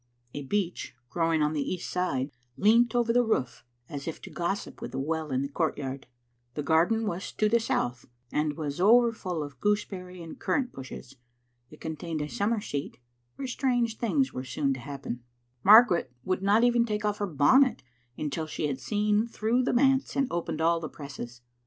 A beech, growing on the east side, leant over the roof as if to gossip with the well in the courtyard. The garden was to the south, and was over full of gooseberry and currant bushes. It contained a summer seat, where strange things were soon to happen. Margaret would not even take off her bonnet until she had seen through the manse and opened all the presses.